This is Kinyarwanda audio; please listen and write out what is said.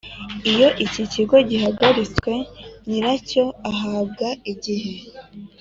Iyo ikigo gihagaritswe nyiracyo ahabwa igihe